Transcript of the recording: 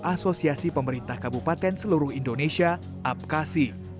asosiasi pemerintah kabupaten seluruh indonesia apkasi